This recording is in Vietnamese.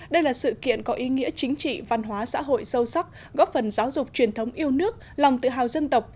đây là sự kiện có ý nghĩa chính trị văn hóa xã hội sâu sắc góp phần giáo dục truyền thống yêu nước lòng tự hào dân tộc